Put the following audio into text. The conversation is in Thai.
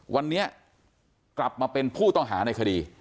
วันนี้กลับมาเป็นผู้ต้องหาในคดี